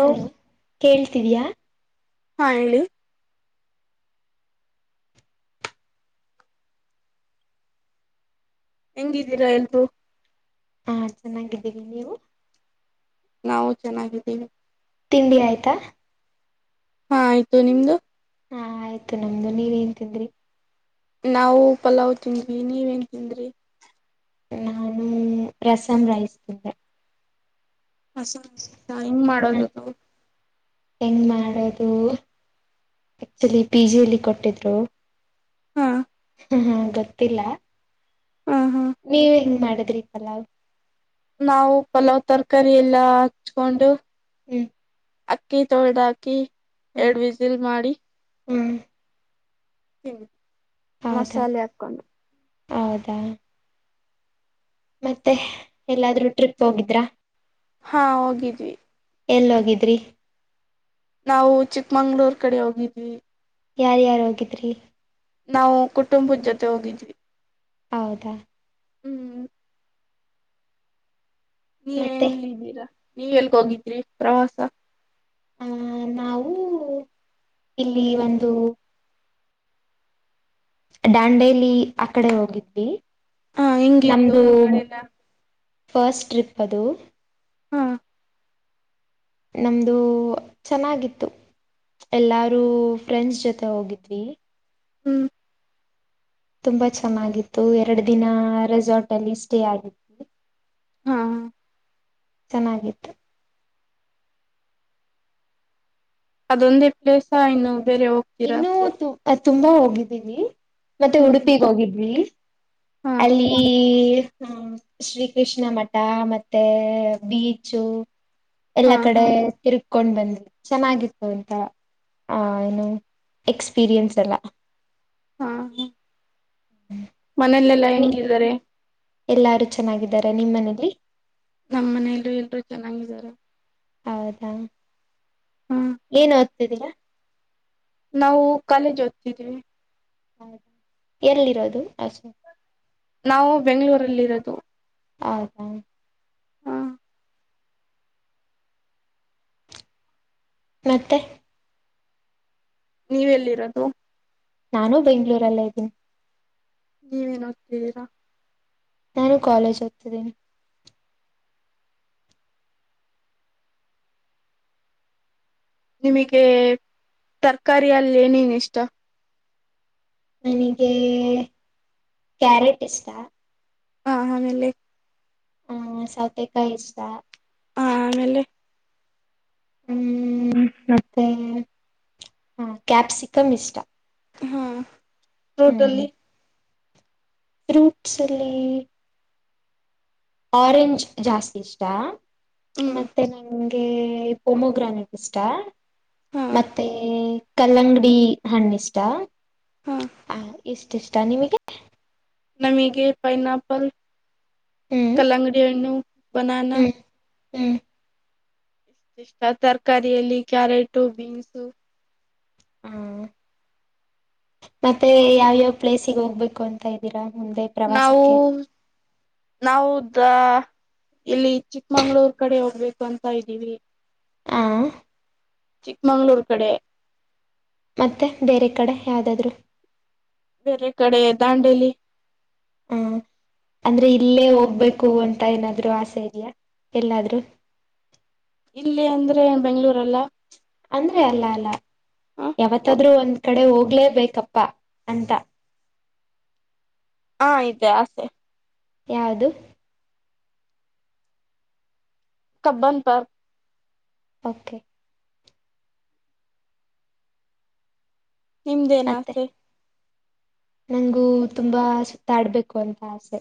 Hello ಕೇಳ್ತಿದಿಯಾ. ಹಾ ಹೇಳಿ, ಹೆಂಗಿದ್ದೀರಾ ಎಲ್ರು. ಹಾ ಚೆನ್ನಾಗಿದ್ದೀವಿ ನೀವು, ನಾವು ಚೆನ್ನಾಗಿದ್ದೀವಿ. ತಿಂಡಿ ಆಯ್ತಾ, ಹಾ ಆಯ್ತು ನಿಮ್ದು. ಹಾ ಆಯ್ತು ನಮ್ದು ನೀವ ಏನ್ ತಿಂದ್ರಿ. ನಾವು ಪಲಾವ್ ತಿಂದ್ವಿ. ನೀವೇನ್ ತಿಂದ್ರಿ, ನಾನು ರಸಂ ರೈಸ್ ತಿಂದೆ. ಅ ಸ್ ಹೆಂಗ್ ಮಾಡೋದು ಅದು. ಹೆಂಗ ಮಾಡೋದು, ಆಕ್ಚುಲಿ ಪಿಜ್ಲಿ ಕೊಟ್ಟಿದ್ರು. ಹಾ ಹ್ಮ್ ಹ್ಮ್ ಗೊತ್ತಿಲ್ಲ. ಹಾ ಹಾ ನೀವ್ ಹೆಂಗ್ ಮಾಡದ್ರಿ ಪಲಾವ್. ನಾವು ಪಲಾವ್ ತರಕಾರಿ ಎಲ್ಲಾ ಹಚ್ಕೊಂಡು, ಹ್ಮ್. ಅಕ್ಕಿ ತೋಳಾದ್ ಹಾಕಿ, ಹ್ಮ್ ಎರಡ್ ವಿಸಿಲ್ ಮಾಡಿ, ಹ್ಮ್. ಹ್ಮ ಹೌದಾ ಮಸಾಲೆ ಹಾಕ್ಕೊಂಡು. ಹೌದಾ, ಮತ್ತೆ ಎಲ್ಲಾದ್ರೂ ಟ್ರಿಪ್ ಹೋಗಿದ್ರ. ಹಾ ಹೋಗಿದ್ವಿ. ಎಲ್ಲೋಗಿದ್ರಿ. ನಾವು ಚಿಕ್ಕಮಂಗ್ಳೂರ್ ಕಡೆ ಹೋಗಿದ್ವಿ. ಯಾರ್ಯಾರ್ ಹೋಗಿದ್ರಿ. ನಾವು ಕುಟುಂಬುದ ಜೊತೆ ಹೋಗಿದ್ವಿ. ಹೌದಾ. ಹ್ಮ್. ನೀವ್ ಮತ್ತೆ ಎಲ್ಲಿದ್ದೀರಾ ನೀವ್ ಎಲ್ಗ ಹೋಗಿದ್ರಿ ಪ್ರವಾಸಾ. ಆ ನಾವೂ ಇಲ್ಲಿ ಒಂದೂ. ಡಾಂಡೇಲಿ ಆಕಡೆ ಹೋಗಿದ್ವಿ. ಹಾ ಹೆಂಗಿತ್ತು ನಮ್ದು ಆಕಡೆಲ್ಲಾ. ಫಸ್ಟ್ ಟ್ರಿಪ್ ಅದು. ಹಾ. ನಮ್ದು ಚನ್ನಾಗಿತ್ತು. ಎಲ್ಲಾರು ಫ್ರೆಂಡ್ಸ್ ಜೊತೆ ಹೋಗಿದ್ವಿ. ಹ್ಮ್. ತುಂಬಾ ಚನ್ನಾಗಿತ್ತು ಎರಡ್ ದಿನಾ ರೆಸಾರ್ಟಲ್ಲಿ ಸ್ಟೇ ಆಗಿತ್ತು. ಹಾ. ಚನ್ನಾಗಿತ್ತು. ಅದೊಂದೇ ಪ್ಲೇಸಾ ಇನ್ನು ಬೇರೆ ಹೋಗ್ತೀರಾ. ಅದ್ ತುಂಬಾ ಹೋಗಿದೀವಿ ಮತ್ತೆ ಹ್ಮ್ ಹ್ಮ್ ಉಡಪಿಗ ಹೋಗಿದ್ವಿ ಹಾ ಅಲ್ಲಿಇಇ. ಹ ಶ್ರೀ ಕೃಷ್ಣ ಮಠಾ ಮತ್ತೆ ಬೀಚು. ಹಾ ಎಲ್ಲಾ ಹಾ ಕಡೆ ತಿರಗ್ಕೊಂಡ್ ಬಂದ್ವಿ ಚನ್ನಾಗಿತ್ತು ಅಂತಾ ಆ ಏನು. ಎಕ್ಸ್ಪ್ರಿನ್ಸಡೆಲಾ. ಹಾ ಹ. ಮನೇಲ್ಲೆಲ್ಲಾ ಹೆಂಗಿದಾರೆ. ಎಲ್ಲಾರು ಚನ್ನಾಗಿದ್ದಾರೆ ನಿಮ್ಮನೇಲಿ. ನಮ್ಮನೇಲೂ ಎಲ್ರು ಚನಾಗಿದಾರೆ. ಹೌದಾ ಹ್ಮ್ ಏನ್ ಓದ್ತಿದೀರಾ. ನಾವು ಕಾಲೇಜ್ ಓದ್ತಿದ್ದೀವಿ. ಹೌದ ಎಲ್ಲಿರೋದು ಹಸು. ನಾವು ಬೆಂಗ್ಳೂರಲ್ಲಿರೋದು. ಹೌದಾ. ಮತ್ತೆ. ನೀವೆಲ್ಲಿರೋದು. ನಾನು ಬೆಂಗ್ಳೂರಲ್ಲೇ ಇದಿನ್. ನೀವೇನ್ ಓದ್ತಿದೀರಾ. ನಾನು ಕಾಲೇಜ್ ಓದ್ತಿದೀನಿ. ನಿಮಗೆ ತರಕಾರಿಯಲ್ಲಿ ಏನೇನ್ ಇಷ್ಟಾ. ನನಿಗೆ ಕ್ಯಾರೆಟ್ ಇಷ್ಟಾ. ಹಾ ಆಮೇಲೆ. ಹ್ ಸೌತೆಕಾಯ್ ಇಷ್ಟಾ. ಆಮೇಲೆ. ಹ್ಮ್ ಮತ್ತೆ ಹಾ ಕ್ಯಾಪ್ಸಿಕಮ್ ಇಷ್ಟಾ. ಹಾ ಫ್ರೂಟಲ್ಲಿ. ಫ್ರೂಟ್ಸ್ ಅಲ್ಲಿ. ಆರೆಂಜ್ ಜಾಸ್ತಿ ಇಷ್ಟಾ. ಹ್ಮ್ ಮತ್ತೆ ನಂಗೆ ಪೊಮೋಗ್ರಾನೆಟ್ ಇಷ್ಟಾ. ಹಾ ಮತ್ತೆ ಕಲ್ಲಂಗಡಿ ಹಣ್ಣಿಷ್ಟಾ. ಹಾ ಆ ಇಷ್ಟಿಷ್ಟಾ ನಿಮಗೆ. ನಮಿಗೆ ಪೈನ್ ಆಪಲ್, ಹ್ಮ್ ಕಲಂಗಡಿಹಣ್ಣು ಬಾನಾನ ಹ್ಮ್ ಹ್ಮ್ ಇಷ್ಟು ಇಷ್ಟ ತರಕಾರಿಯಲ್ಲಿ ಕ್ಯಾರೆಟು ಬೀನ್ಸು ಹಾ ಮತ್ತೆ ಯಾವ್ಯಾವ್ ಪ್ಲೇಸಿಗೆ ಹೋಗ್ಬೇಕು ಅಂತ ಇದ್ದೀರಾ ಮುಂದೆ ನಾವು ಪ್ರವಾಸಕ್ಕೆ ನಾವು ದ ಇಲ್ಲಿ ಚಿಕ್ಕಮಂಗಳೂರ್ ಕಡೆ ಹೋಗ್ಬೇಕು ಅಂತ ಇದ್ದೀವಿ. ಹ ಚಿಕ್ಕಮಂಗಳೂರು ಕಡೆ ಮತ್ತೆ ಬೇರೆ ಕಡೆ ಯಾವ್ದಾದ್ರು ಬೇರೆ ಕಡೆ ದಾಂಡೇಲಿ ಹ್ಮ್ ಅಂದ್ರೆ ಇಲ್ಲೇ ಹೋಗ್ಬೇಕು ಅಂತ ಏನಾದ್ರು ಆಸೆ ಇದಿಯಾ ಎಲ್ಲಾದ್ರು ಇಲ್ಲಿ ಅಂದ್ರೆ ಬೆಂಗಳೂರಲ್ಲ ಅಂದ್ರೆ ಅಲ್ಲ ಅಲ್ಲ ಹ ಯಾವತ್ತಾದ್ರೂ ಒಂದ್ ಕಡೆ ಹೋಗ್ಲೇಬೇಕಪ್ಪ ಅಂತ ಹಾ ಇದೆ ಆಸೆ ಯಾವದು ಕಬ್ಬನ್ ಪಾರ್ಕ್ ಓಕೆ ನಿಮ್ದೇನ್ ಆಸೆ ನಂಗು ತುಂಬಾ ಸುತ್ತಾಡ್ಬೇಕು ಅಂತ ಆಸೆ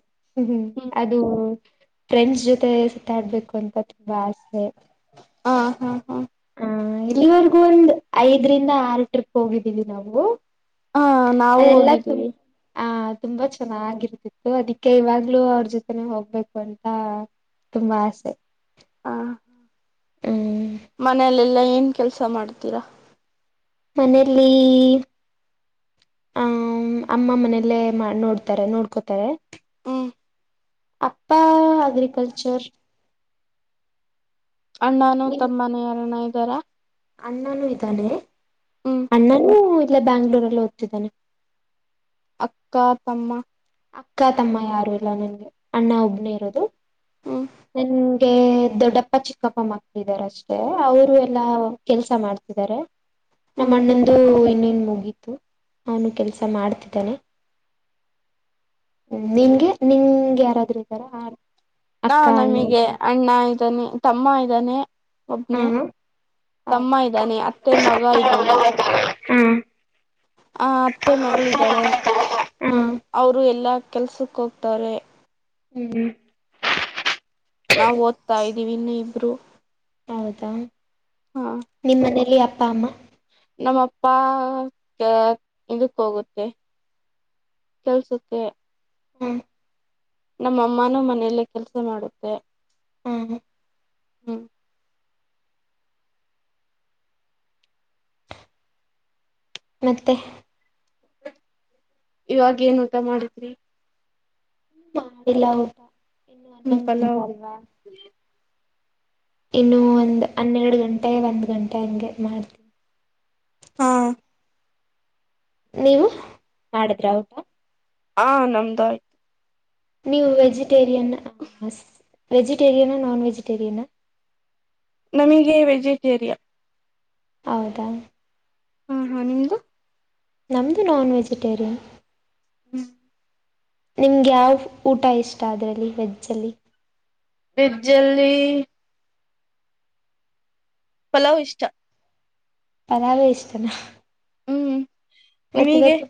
ಹ್ಮ ಹ್ಮ್ ಅದು ಫ್ರೆಂಡ್ಸ್ ಜೊತೆ ಸುತ್ತಾಡ್ಬೇಕು ಅಂತ ತುಂಬಾ ಆಸೆ. ಹ ಹಾ ಹಾ ಹ ಇಲ್ಲಿವರೆಗೂ ಒಂದ್ ಐದರಿಂದ ಆರು ಟ್ರಿಪ್ ಹೋಗಿದ್ದೀವಿ ನಾವು ಹಾ ನಾವು ಅದೆಲ್ಲ ತು ಹೋಗಿದ್ದೀವಿ ಆ ತುಂಬಾ ಚೆನ್ನಾಗಿರ್ತಿತ್ತು ಅದಿಕ್ಕೆ ಇವಾಗ್ಲೂ ಅವ್ರ ಜೊತೆನೆ ಹೋಗ್ಬೇಕು ಅಂತ. ತುಂಬಾ ಆಸೆ ಹಾ ಹ್ಮ್ ಮನೆಯಲೆೆಲ್ಲಾ ಏನ್ ಕೆಲಸ ಮಾಡ್ತೀರಾ ಮನೆಲ್ಲಿ ಹ ಅಮ್ಮ ಮನೆಲ್ಲೇ ನೋಡ್ತಾರೆ ನೋಡ್ಕೋತಾರೆ ಹ್ಮ ಅಪ್ಪಾ ಅಗ್ರಿಕಲ್ಚರ್ ಅಣ್ಣಾನು ನಿಮ್ ತಮ್ಮನು ಯಾರನ್ನ ಇದ್ದಾರ ಅಣ್ಣನೂ ಇದ್ದಾನೆ ರೀ ಹ್ಮ್ ಅಣ್ಣನೂ ಬ್ಯಾಂಗ್ಳೂರಲ್ಲೆ ಓದ್ದತ್ತಿದ್ದಾನೆ ಅಕ್ಕ ತಮ್ಮ ಅಕ್ಕ ತಮ್ಮ ಯಾರು ಇಲ್ಲ ನನಗೆ ಅಣ್ಣ ಒಬ್ನೇ ಇರೋದು ಹ್ಮ್ ಹೆ ದೊಡ್ಡಪ್ಪ ಚಿಕ್ಕಪ್ಪ ಮಕ್ಕಳು ಇದ್ದಾರೆ ಅಷ್ಟೇ ಅವರು ಎಲ್ಲಾ ಕೆಲಸ ಮಾಡ್ತಿದ್ದಾರೆ ನಮ್ಮ ಹ್ಮ್ ಹ್ಮ್ ಅಣ್ಣಂದು ಇನ್ನೂ ಮುಗಿತ್ತು ಅವನು ಕೆಲಸ ಮಾಡ್ತಿದ್ದನೆ ಹ್ಮ ನಿಂಗೆ ನಿಂಗೆ ಯಾರಾದರೂ ಇದ್ದಾರ ಹಾ ಅಕ್ಕ ನಮಗೆ ಅಣ್ಣ ಅಣ್ಣ ಇದ್ದಾನೆ ತಮ್ಮ ಇದ್ದಾನೆ. ಹಾ ಒಬ್ನೇ ಹೌದಾ ತಮ್ಮ ಇದ್ದಾನೆ ಅತ್ತೆ ಮಗ ಇದ್ದಾನೆ ಹಾ ಆ ಅತ್ತೆ ಮಗಳಿದ್ದಾಳೆ ಅವರು ಎಲ್ಲಾ ಕೆಲಸಕ್ಕೆ ಹೋಗ್ತಾರೆ ಹ್ಮ್ ನಾವ್ ಓದ್ತಾ ಇದ್ದೀವಿ ಇನ್ನು ಇಬ್ಬರು ಹೌದಾ ಹ ನಿಮ್ಮ ಮನೇಲಿ ಅಪ್ಪ ಅಮ್ಮ ನಮ್ಮಪ್ಪ ಚ ಇದಕ್ಕೆ ಹೋಗುತ್ತೆ ಕೆಲಸಕ್ಕೆ ಹ್ಮ್ ನಮ್ಮ ಅಮ್ಮನೂ ಮನೆಯಲ್ಲೇ ಕೆಲಸ ಮಾಡುತ್ತೆ ಹ್ಮ ಹ್ಮ ಹ್ಮ್ ಮತ್ತೆ ಇವಾಗ ಏನ್ ಊಟ ಮಾಡಿದ್ರಿ ಹ ಮಾಡಿಲ್ಲ ಊಟ ಇನ್ನು ಹ್ಮ ಹನ್ನೊಂದು ಗಂಟೆ ಪಲಾವ್ ಅಲ್ವಾ ಇನ್ನು ಒಂದು ಹನ್ನೆರಡು ಗಂಟೆ ಒಂದ್ ಗಂಟೆ ಹಂಗೆ ಮಾಡ್ತೀನಿ ಹ್ಮ ನೀವು ಮಾಡಿದ್ರ ಊಟ ಹಾ ನಮ್ದ ಆಯ್ತು ನೀವು ವೆಜಿಟೇರಿಯನ್ ವೆಜಿಟೇರಿಯನ ನಾನ್ ವೆಜಿಟೇರಿಯನಾ ನಮಗೆ ವೆಜಿಟೇರಿಯನ್ ಹೌದಾ ಹಾ ಹಾ ನಿಮ್ದು ನಮದು ನಾನ್ ವೆಜಿಟೇರಿಯನ್ ಹ್ಮ್ ನಿಮ್ಗೆ ಯಾವ ಊಟ ಇಷ್ಟ ಅದರಲ್ಲಿ ವೆಜ್ಜಲ್ಲಿ ವೆಜ್ಜಲಿ ಪಲಾವ್ ಇಷ್ಟ ಪಲಾವೆ ಇಷ್ಟನಾ ಹ್ಮ್ ಮತ್ತ ನಿಮಗೆ ಇವತ್ತು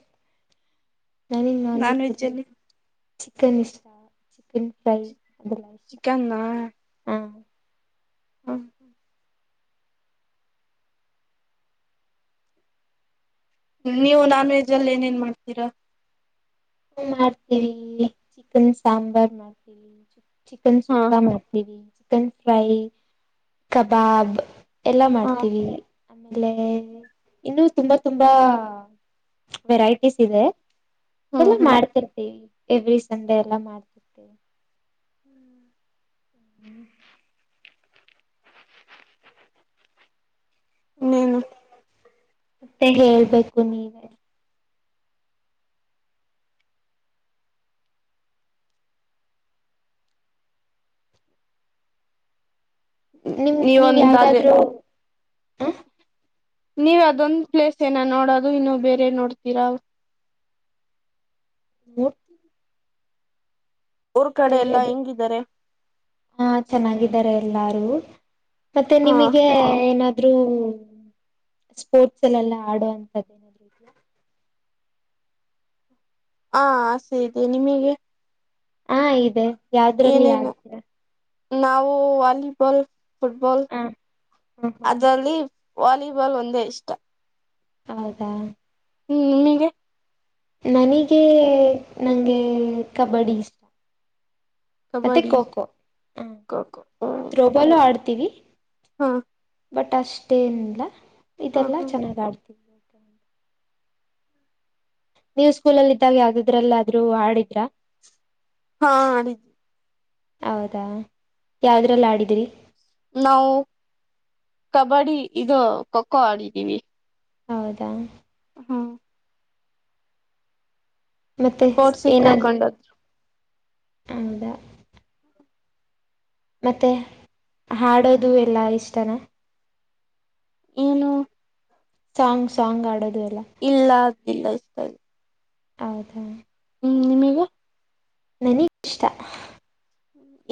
ನಾನನ್ ನಾನ್ ನಾನ್ವೆೆಜ್ ವೆಜ್ ಅಲ್ಲಿ ಚಿಕನ್ ಇಷ್ಟ ಚಿಕನ್ ಫ್ರೈ ಅದೆಲ್ಲ ಇಷ್ಟ ಚಿಕನ್ನ ಹಾಂ ಹ್ಮ ನೀವು ನಾನ್ ವೆಜ್ ಅಲ್ಲಿ ಏನೇನ್ ಮಾಡ್ತೀರಾ ಹ ಮಾಡ್ತೀವಿ ಚಿಕನ್ ಸಾಂಬಾರ್ ಮಾಡ್ತೀವಿ ಚಿಕನ್ ಹಾ ಸುಕ್ಕಾ ಮಾಡ್ತೀವಿ ಚಿಕನ್ ಫ್ರೈ ಕಬಾಬ್ ಎಲ್ಲ ಹ ಮಾಡ್ತೀವಿ ಆಮೇಲೆ ಇನ್ನು ತುಂಬಾ ತುಂಬಾ ವೆರೈಟೀಸ್ ಇದೆ ಅದೆಲ್ಲ ಹ್ಮ್ ಹ್ಮ್ ಮಾಡ್ತಿರ್ತೇವಿ ಎವ್ರಿ ಸಂಡೆ ಎಲ್ಲ ಮಾಡ್ತಿರ್ತೇವಿ ಹ್ಮ್ ಇನ್ ಏನು ಮತ್ತೆ ಹೇಳ್ಬೇಕು ನೀವೇ ನಿಮ್ ನೀವ್ ನೀವೊಂದ ಅದೇ ಯಾವ್ದಾದ್ರರು ಹ ನೀವ್ ಅದೊಂದ್ ಪ್ಲೇಸ್ ಏನ ನೋಡದು ಇನ್ನು ಬೇರೆ ನೋಡ್ತೀರಾ ನಿವು ಊರ್ ಕಡೆ ಎಲ್ಲಾ ಬೆರೆದು ಹೆಂಗಿದ್ದಾರೆ ಹಾ ಚೆನ್ನಾಗಿದ್ದಾರೆ ಎಲ್ಲಾರು ಮತ್ತೆ ಹಾ ನಿಮಗೆ ಏನ್ ಆದ್ರೂ ಸ್ಪೋರ್ಟ್ಸ್ ಎಲ್ಲೆಲ್ಲ ಆಡುವಂತದ ಏನಾದ್ರು ಇದ್ಯಾ ಹಾ ಆಸೆ ಇದೆ ನಿಮಗೆ ಹಾ ಇದೆ ಯಾವ್ದ್ರಲ್ಲಿ ಏನೇನು ಆಡ್ತೀರ ನಾವು ವಾಲಿಬಾಲ್ ಫುಟಬಾಲ್ ಹ ಹ ಹ ಅದರಲ್ಲಿ ವಾಲಿಬಾಲ್ ಒಂದೇ ಇಷ್ಟ ಹೌದಾ ಹ್ಮ್ ನಿನಿಗೆ ನನಿಗ ನಂಗೆ ಕಬಡ್ಡಿ ಇಷ್ಟ ಮತ್ತೆ ಕಬಡ್ಡಿ ಖೋಖೋ ಹ ಖೋ ಖೋ ತ್ರೋಬಾಲು ಆಡ್ತೀವಿ ಹಾ ಬಟ್ ಅಷ್ಟೇನಿಲ್ಲ ಹಾ ಇದೆಲ್ಲ ಹಾ ಚೆನ್ನಾಗ ಆಡ್ತಿದವಿ ನೀವು ಸ್ಕೂಲಲ್ಲಿ ಇದ್ದಾಗ ಯಾವ್ದಾದ್ರಲ್ಲಾದ್ರೂ ಆಡಿದ್ರ ಹಾ ಆಡಿದ್ದೆ ಹೌದಾ ಯಾವ್ದ್ರಲ್ ಆಡಿದ್ರಿ. ನಾವು ಕಬಡ್ಡಿ ಇದು ಖೋ ಖೋ ಆಡಿದ್ದೀವಿ. ಹೌದಾ ಹ್ಮ್ ಮತ್ತೆ ಸ್ಪೋರ್ಟ್ಸಿಗೆ ಏನಾ ಕರ್ಕೊಂಡೋದ್ರು ಹೌದಾ ಮತ್ತೆ ಹಾಡೋದು ಎಲ್ಲಾ ಇಷ್ಟನ. ಏನು ಸಾಂಗ್ ಸಾಂಗ್ ಆಡೋದು. ಎಲ್ಲ ಇಲ್ಲ [unintelligible] ಹೌದಾ ಹ್ಮ್ ನಿಮೀಗೆ ನನಿಗ್ ಇಷ್ಟ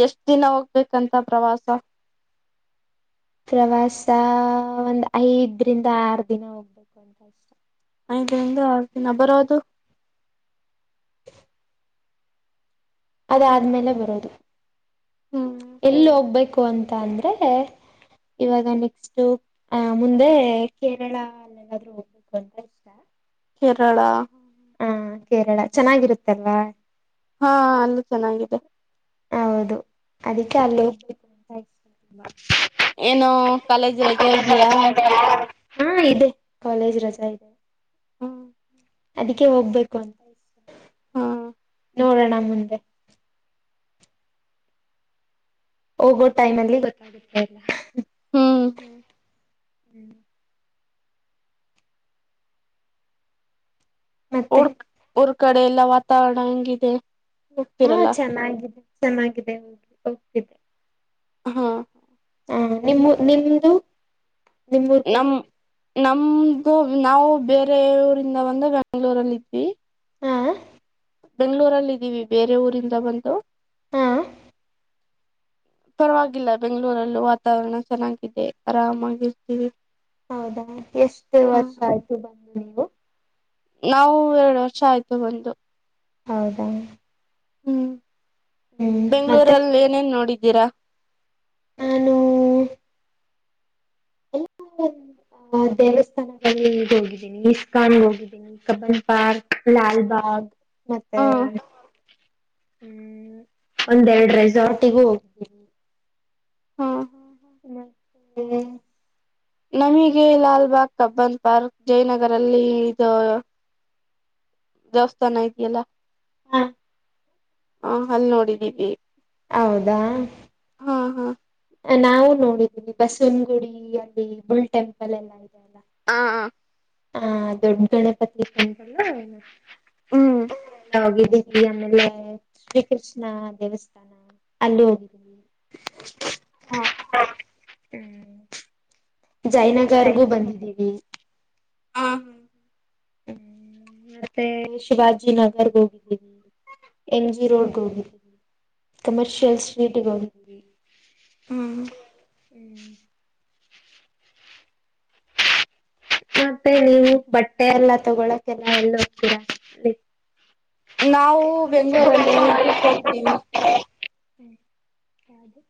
ಎಷ್ಟ ದಿನ ಹೋಗ್ಬೇಕಂತ ಪ್ರವಾಸ. ಪ್ರವಾಸ ಒಂದ್ ಐದರಿಂದ ಆರು ದಿನ ಹೋಗ್ಬೇಕ್. ಐದರಿಂದ ಅರ್ದಿನ ಬರದು. ಅದಾದ್ಮೇಲೆ ಬರೋದು ಹ್ಮ್ ಎಲ್ಲಿ ಹೋಗ್ಬೇಕು. [unintelligible] ಅಂತ ಅಂದರೆ ಇವಾಗ ನೆಕ್ಸ್ಟ್ ಆಹ ಮುಂದೆ ಕೇರಳಲ್ಲ ಎನಾದ್ರೂ ಹೋಗ್ಬೇಕು ಅಂದ್ರೆ ಇಷ್ಟ. ಕೇರಳ ಹ ಕೇರಳ ಚೆನ್ನಾಗಿರುತ್ತಲ್ವಾ. ಹಾ ಅಲ್ಲೂ ಚೆನ್ನಾಗಿದೆ. ಹೌದು ಅದಕ್ಕೆ ಅಲ್ಲೇೋಗ್ ಏನು ಕಾಲೇಜ್ ರಜಾ ಇದ್ಯಾ. ಹಾ ಇದೆ ಕಾಲೇಜ್ ರಜಾ ಇದೆ. ಹ್ಮ್ ಅದಕ್ಕೆ ಹೋಗ್ಬೇಕು ಅಂ ಹ್ಮ್ ನೋಡೋಣ ಮುಂದೆ. ಹೋಗೋ ಟೈಮ್ ಅಲ್ಲಿ ಗೊತ್ತಾಗುತ್ತಾ ಇಲ್ಲ. ಹ ಹ್ಮ್ ಮತ್ತೆ ರ್ ಊರ್ ಕಡೆ ಎಲ್ಲಾ ವಾತಾವರಣ ಹೆಂಗಿದೆ. ಹಾ ಹೋಗ್ತಿರಲ್ಲ ಚೆನ್ನಾಗಿದೆ ಚೆನ್ನಾಗಿದೆ ಹೋಗ್ತಿವ್. ಹಾ ಹಾ ನಿಮ್ಮು ನಿಮ್ದು. ನಿಮ್ಮೂರ್ ಕಡೆ ನಮ್ ನಮ್ ನಾವು ಬೇರೆ ಊರಿಂದ ಬಂದು ಬೆಂಗಳೂರಲ್ಲಿದ್ವಿ. ಹಾ ಬೆಂಗ್ಳೂರಲ್ಲಿದ್ದೀವಿ ಬೇರೆ ಊರಿಂದ ಬಂದು. ಹಾ [inaudible] ಪರವಾಗಿಲ್ಲ ಬೆಂಗ್ಳೂರಲ್ಲೂ ವಾತಾವರಣ ಚೆನ್ನಾಗಿದೆ ಆರಾಮಾಗಿರ್ತೀವಿ. ಹೌದಾ ಎಷ್ಟು ಹ ವರ್ಷ ಆಯ್ತು ಬಂದು ನೀವು. ನಾವು ಎರಡು ವರ್ಷ ಆಯ್ತು ಬಂದು. ಹೌದಾ ಹ್ಮ್ ಹ್ಮ್ ಮತ್ತೆ ಬೆಂಗ್ಳೂರಲ್ಲಿ ಏನೇನ್ ನೋಡಿದ್ದೀರಾ. ನಾನು [unintelligible] ಆ ದೇವಸ್ಥಾನಗಳಲ್ಲಿ ಈಗ ಹೋಗಿದ್ದೀನಿ ಇಸ್ಕಾನ್ಗೆ ಹೋಗಿದ್ದೀನಿ ಕಬನ್ ಪಾರ್ಕ್ ಲಾಲ್ಬಾಗ್. ಮತ್ತೆ ಹ ಹ್ಮ್ ಒಂದೆರಡು ರೆಸಾರ್ಟಿಗೂ ಹೋಗ್ತೀ ಹಾ ನಮಗೆ ಲಾಲ್ಬಾಗ್ ಕಬ್ಬನ್ ಪಾರ್ಕ್ ಜಯನಗರಲ್ಲಿ ಇದ ದಾಸ್ತಾನ ಐತಿ ಎಲ್ಲ ಹ ಹ ಅಲ್ ನೋಡಿದ್ದೀಿ ಹೌದಾ ಹಾ ಹಾ ನಾವು ನೋಡಿದೀವಿ ಬಸವನ ಗುಡಿ ಅಲ್ಲಿ ಬುಲ್ ಟೆಂಪಲ್ ಎಲ್ಲಾ ಇದೆ ಅಲ್ಲ ಹ ಹ ಹ ದೊಡ್ಡ ಗಣಪತ್ರಿಕೆ ಉಟಲ್ಲ ಏನ ಹ್ಮ್ ಹೋಗಿದ್ದೀವಿ ಆಮೇಲೆ ಶ್ರೀ ಕೃಷ್ಣ ದೇವಸ್ಥಾನ ಅಲ್ಲಿ ಹೋಗಿದ್ದೀವಿ [inaudible] ಹ್ಮ ಜೈನಗರ್ಗೂ ಬಂದಿದ್ದೀವಿ ಹ್ಮ ಹ್ಮ್ ಹ್ಮ ಹ್ಮ್ ಮತ್ತೆ ಶಿವಾಜಿಿನಗರ್ ಹೋಗಿದ್ದೀನಿ ಎನ್ ಜಿ ರೋಡ್ ಗೋಹಲ್ ಕಮರ್ಷಿಯಲ್ ಸ್ಟೀಟ್ಗಳು್ಮ ಹ್ಮ್ ಮತ್ತೆ ನೀವು ಬಟ್ಟೆ ಎಲ್ಲ ತಗೊಳಕೆಲ್ಲ ಎಳ್ಳು ಹೋಗ್ತೀರಾ ನಾವು ಬೆಂಗಗಳೂರಲ್ಲೇ ಇದಕ್ ಹೋಗ್ತೀವಿ ಹ್ಮ ಹದು